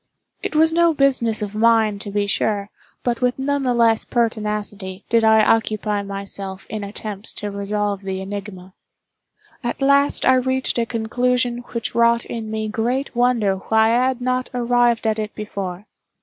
It was no business of mine, to be sure, but with none the less pertinacity did I occupy myself in attempts to resolve the enigma. At last I reached a conclusion which wrought in me great wonder why I had not arrived at it before.